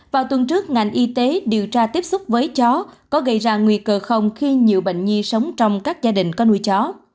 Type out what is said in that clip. vào tuần trước ngành y tế điều tra tiếp xúc với chó có gây ra nguy cơ không khi nhiều bệnh nhi sống trong các gia đình có nuôi chó